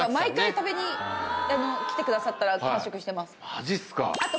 マジっすか。